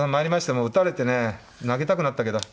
もう打たれてね投げたくなったけど。